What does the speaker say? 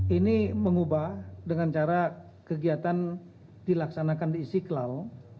ini mengubah dengan cara kegiatan dilaksanakan diisi kelau